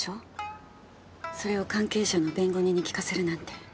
それを関係者の弁護人に聞かせるなんて。